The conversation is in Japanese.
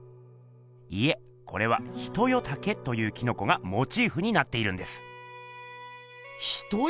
いえこれは「ヒトヨタケ」というキノコがモチーフになっているんです。